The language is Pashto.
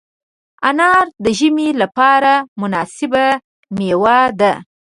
انار د ژمي لپاره مناسبه مېوه ده.